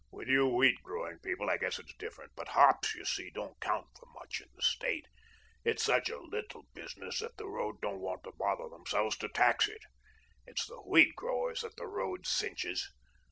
With you wheat growing people I guess it's different, but hops, you see, don't count for much in the State. It's such a little business that the road don't want to bother themselves to tax it. It's the wheat growers that the road cinches.